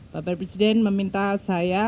bapak presiden meminta saya